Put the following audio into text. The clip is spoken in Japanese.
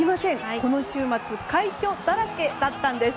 この週末快挙だらけだったんです。